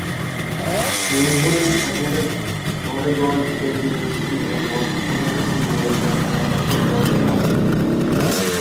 Nienhuis attended Oregon State University and was a photography major and a football star.